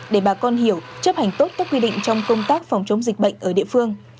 để bà con hiểu chấp hành tốt các quy định trong công tác phòng chống dịch bệnh ở địa phương